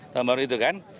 tahun baru itu kan